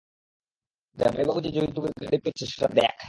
জামাইবাবু যে যৌতুকে গাড়ি পেয়েছে, সেটা দ্যাখ।